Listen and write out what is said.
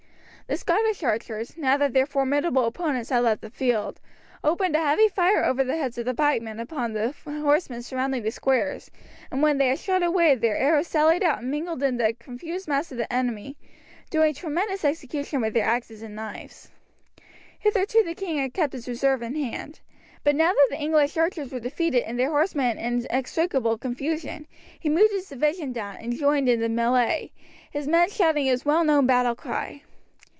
The Scottish archers, now that their formidable opponents had left the field, opened a heavy fire over the heads of the pikemen upon the horsemen surrounding the squares, and when they had shot away their arrows sallied out and mingled in the confused mass of the enemy, doing tremendous execution with their axes and knives. Hitherto the king had kept his reserve in hand; but now that the English archers were defeated and their horsemen in inextricable confusion, he moved his division down and joined in the melee, his men shouting his well known battle cry.